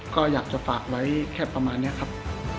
ก็อยากจะฝากไว้แค่ประมาณนี้ครับ